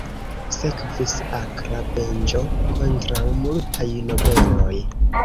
Sekvis akra venĝo kontraŭ multaj nobeloj.